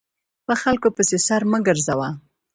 په خلکو پسې سر مه ګرځوه !